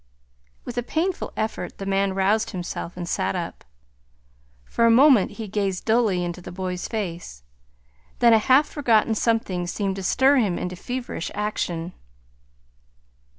With a painful effort the man roused himself and sat up. For a moment he gazed dully into the boy's face; then a half forgotten something seemed to stir him into feverish action.